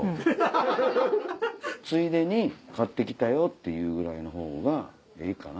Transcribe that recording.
ついでに買って来たよっていうぐらいのほうがええかな。